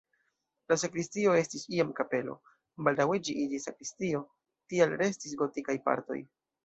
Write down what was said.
La sakristio estis iam kapelo, baldaŭe ĝi iĝis sakristio, tial restis gotikaj partoj.